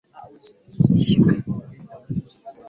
wastani cha mwaka cha chembechembe ndogondogo